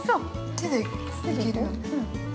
◆手で行けるよね。